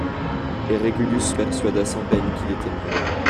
Et Régulus se persuada sans peine qu'il était mort.